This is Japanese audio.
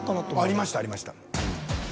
ありましたありました。